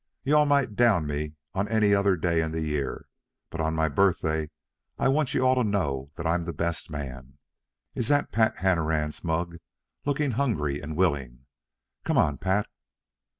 You all might down me any other day in the year, but on my birthday I want you all to know I'm the best man. Is that Pat Hanrahan's mug looking hungry and willing? Come on, Pat."